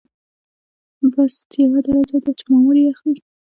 بست یوه درجه ده چې مامور یې اخلي.